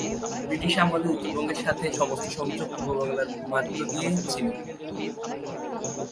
British আমলে উত্তরবঙ্গের সাথে সমস্ত সংযোগ পূর্ব বাংলার মাধ্য দিয়ে ছিল।